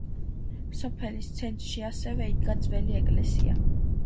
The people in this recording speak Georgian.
სოფელის ცენტრში ასევე იდგა ძველი ეკლესია.